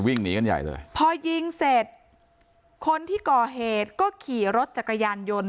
วิ่งหนีกันใหญ่เลยพอยิงเสร็จคนที่ก่อเหตุก็ขี่รถจักรยานยนต์